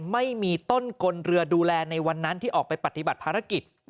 ไม่มีต้นกลเรือดูแลในวันนั้นที่ออกไปปฏิบัติภารกิจ